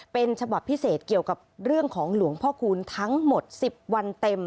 เป็นฉบับพิเศษเกี่ยวกับเรื่องของหลวงพ่อคูณทั้งหมด๑๐วันเต็ม